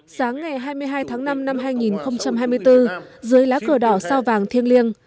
sáng ngày hai mươi hai tháng năm năm hai nghìn hai mươi bốn dưới lá cờ đỏ sao vàng thiêng liêng